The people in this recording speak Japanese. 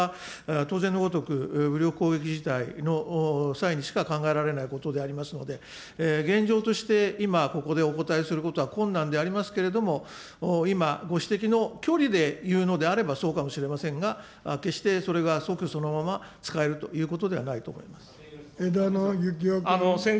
そもそも自衛隊を海外に出すというようなときには、これは当然のごとく、武力攻撃事態の際にしか考えられないことでありますので、現状として今、ここでお答えすることは困難でありますけれども、今ご指摘の距離でいうのであればそうかもしれませんが、決してそれが即そのまま使えるということではないと思います。